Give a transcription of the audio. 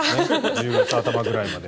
１０月頭くらいまで。